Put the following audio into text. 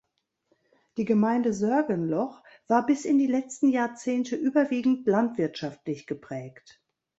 Die Gemeinde Sörgenloch war bis in die letzten Jahrzehnte überwiegend landwirtschaftlich geprägt.